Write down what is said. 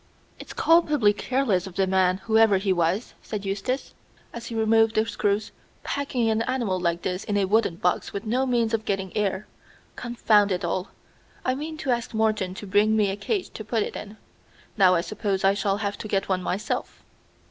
"It's culpably careless of the man, whoever he was," said Eustace, as he removed the screws, "packing an animal like this in a wooden box with no means of getting air. Confound it all! I meant to ask Morton to bring me a cage to put it in. Now I suppose I shall have to get one myself."